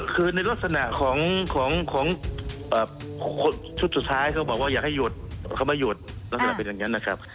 คือในลักษณะของชุดสุดท้ายเขาบอกว่าอยากให้หยุดเขาไม่หยุดลักษณะเป็นอย่างนั้นนะครับ